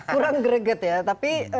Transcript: kurang greget ya